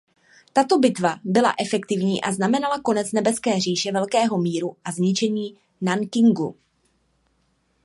Tato bitva byla efektivní a znamenala konec Nebeské říše velkého míru a zničení Nankingu.